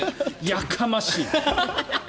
やかましい！